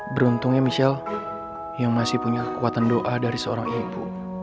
beruntungnya michelle yang masih punya kekuatan doa dari seorang ibu